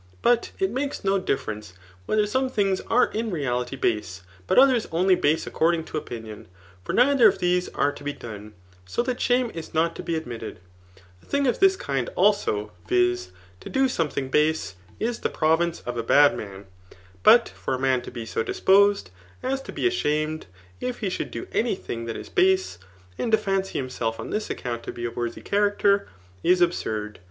But it makes no diflference, whether some things are in reality base, but others only base according to opinion ; for nei ther of these are to be done ; so that shame is not to be admitted. A thing of this kind also, vis* to do some* Digitized by Google 150 THE NICOMACHBAK ETHICS. BOOK IV,. thing base, is the province of a bad man. Bui for a man to be so disposed, as to be ashamed if he should do any thing that is base, and to fancy himself on this account to be a worthy character, is absurd.